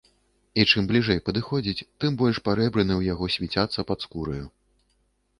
І чым бліжэй падыходзіць, тым больш парэбрыны ў яго свіцяцца пад скураю.